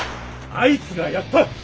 あいつが殺った。